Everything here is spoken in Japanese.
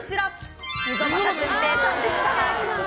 溝端淳平さんでした。